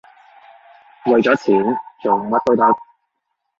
為咗錢，做乜都得